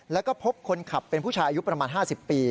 แล้วก็พบคนขับเป็นผู้ชายอายุประมาณ๕๐ปี